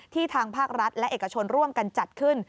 ทางภาครัฐและเอกชนร่วมกันจัดขึ้น